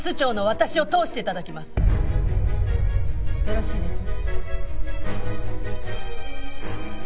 よろしいですね？